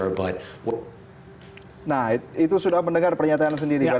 nah itu sudah mendengar pernyataan sendiri